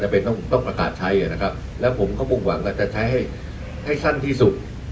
ผลไลข่ะแล้วหมุ่งหวังว่างเขาจะใช้ให้ให้สั้นที่สุด